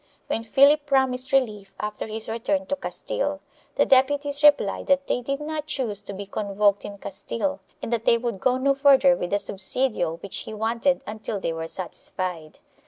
When Philip promised relief after his return to Castile, the deputies re plied that they did not choose to be convoked in Castile and that they would go no further with the subsidio which he wanted until they were satisfied.